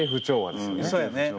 そうやね。